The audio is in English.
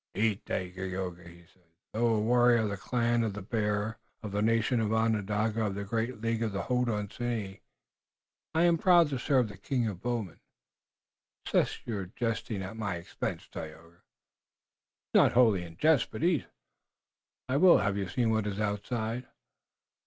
"Eat, Dagaeoga," he said. "Though a warrior of the clan of the Bear, of the nation Onondaga of the great League of the Hodenosaunee, I am proud to serve the king of bowmen." "Cease your jesting at my expense, Tayoga." "It is not wholly a jest, but eat." "I will. Have you seen what is outside?"